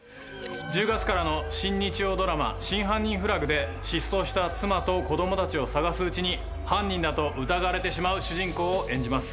１０月からの新日曜ドラマ『真犯人フラグ』で失踪した妻と子供たちを捜すうちに犯人だと疑われてしまう主人公を演じます。